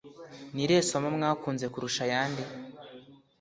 Ni irihe somo mwakunze kurusha ayandi